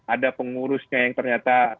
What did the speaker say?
ada pengurusnya yang ternyata